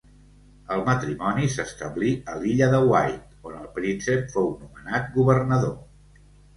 El matrimoni s'establí a l'illa de Wight, on el príncep fou nomenat governador.